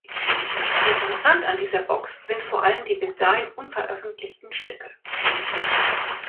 Interessant an dieser Box sind vor allem die bis dahin unveröffentlichten Stücke.